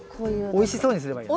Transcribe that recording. おいしそうにすればいい。